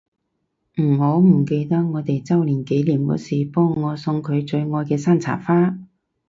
唔好唔記得我哋週年紀念嗰時幫我送佢最愛嘅山茶花